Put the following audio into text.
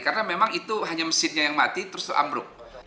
karena memang itu hanya mesinnya yang mati terus itu ambruk